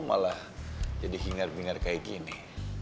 malah jadi hingar bingar kayak gini